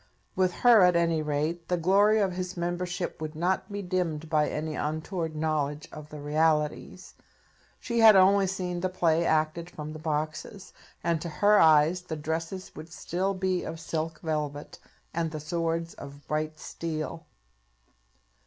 With her, at any rate, the glory of his Membership would not be dimmed by any untoward knowledge of the realities. She had only seen the play acted from the boxes; and to her eyes the dresses would still be of silk velvet, and the swords of bright steel.